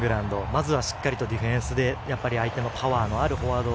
まず、しっかりディフェンスで相手のパワーのあるフォワード